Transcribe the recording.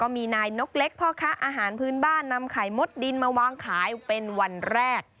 มีนายนกเล็กพ่อค้าอาหารพื้นบ้านนำไข่มดดินมาวางขายเป็นวันแรก